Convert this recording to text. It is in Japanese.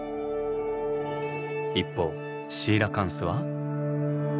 一方シーラカンスは？